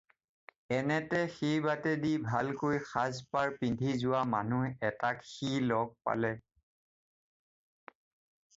এনেতে সেইবাটেদিয়েই ভালকৈ সাজ-পাৰ পিন্ধি যোৱা মানুহ এটাক সি লগ পালে।